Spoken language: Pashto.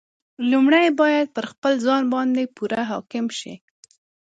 لومړی باید پر خپل ځان باندې پوره حاکم شي.